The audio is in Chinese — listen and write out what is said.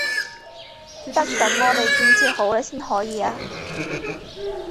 得等我们建设好了才行啊